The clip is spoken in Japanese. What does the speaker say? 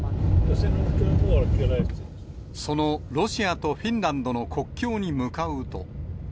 そのロシアとフィンランドの国境に向かうと。